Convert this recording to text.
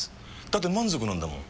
だって満足なんだもん。